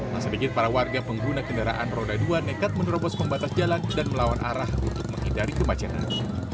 masa bikin para warga pengguna kendaraan roda dua nekat menerobos pembatas jalan dan melawan arah untuk menghindari kemacetan